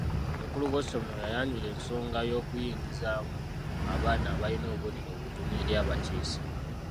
Omukulu w'essomero yayanjula ensonga y'okuyingizaamu abaana abalina obubonero obutono eri abakiise.